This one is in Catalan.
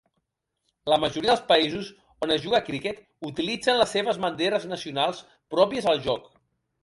La majoria dels països on es juga a criquet utilitzen les seves banderes nacionals pròpies al joc.